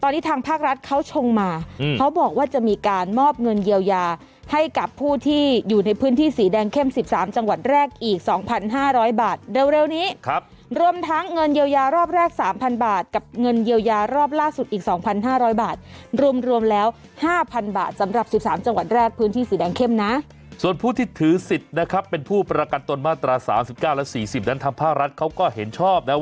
ตอนนี้ทางภาครัฐเขาชงมาเขาบอกว่าจะมีการมอบเงินเยียวยาให้กับผู้ที่อยู่ในพื้นที่สีแดงเข้ม๑๓จังหวัดแรกอีก๒๕๐๐บาทเร็วนี้ครับรวมทั้งเงินเยียวยารอบแรก๓๐๐๐บาทกับเงินเยียวยารอบล่าสุดอีก๒๕๐๐บาทรวมแล้ว๕๐๐๐บาทสำหรับ๑๓จังหวัดแรกพื้นที่สีแดงเข้มนะส่วนผู้ที่ถือส